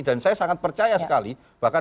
dan saya sangat percaya sekali bahkan